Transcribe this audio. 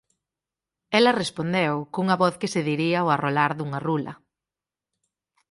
Ela respondeu, cunha voz que se diría o arrolar dunha rula: